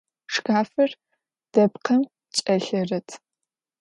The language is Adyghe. Şşkafır depkhım ç'elhırıt.